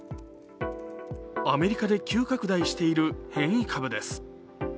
アメリカで急拡大している変異株です。